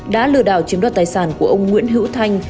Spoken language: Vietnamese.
đã lừa đảo chiếm đoạt tài sản của ông nguyễn hữu thanh